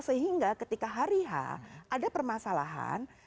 sehingga ketika hari h ada permasalahan